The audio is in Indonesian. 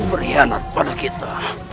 berhianat pada kita